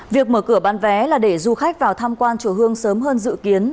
việc mở cửa bán vé là để du khách vào tham quan chùa hương sớm hơn dự kiến